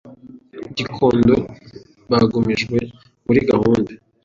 Gikondo bagumijwe muri gahunda